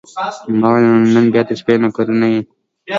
ما وویل: نن به بیا د شپې نوکري نه یې؟